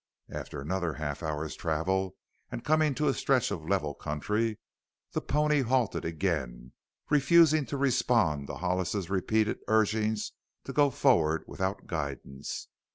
After another half hour's travel and coming to a stretch of level country, the pony halted again, refusing to respond to Hollis's repeated urging to go forward without guidance.